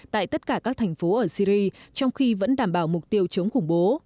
tại tất cả các thành phố ở syri trong khi vẫn đảm bảo mục tiêu chống khủng bố